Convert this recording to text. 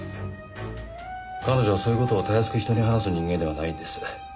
彼女はそういう事を容易く人に話す人間ではないんです。